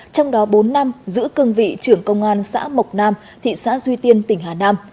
trong đó bốn năm giữ cương vị trưởng công an xã mộc nam thị xã duy tiên tỉnh hà nam